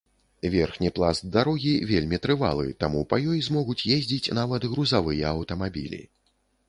Верхні пласт дарогі вельмі трывалы, таму па ёй змогуць ездзіць нават грузавыя аўтамабілі.